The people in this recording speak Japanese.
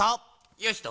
よしと！